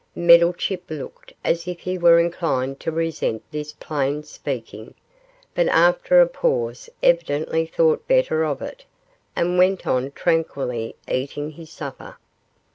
Meddlechip looked as if he were inclined to resent this plain speaking, but after a pause evidently thought better of it, and went on tranquilly eating his supper.